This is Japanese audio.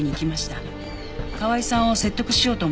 河合さんを説得しようと思って。